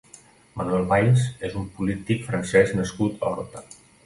Manuel Valls és un polític francès nascut a Horta.